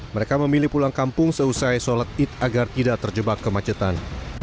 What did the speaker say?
mereka memilih pulang kampung seusai sholat id agar tidak terjebak kemacetan